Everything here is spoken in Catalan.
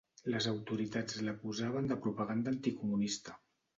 Les autoritats l'acusaven de propaganda anticomunista.